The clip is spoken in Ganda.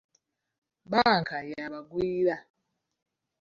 Bbanka ya bagwira.